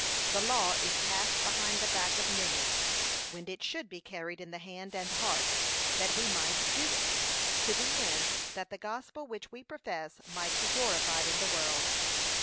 The law is cast behind the back of many, when it should be carried in the hand and heart, that we might do it, to the end [that] the gospel which we profess might be glorified in the world.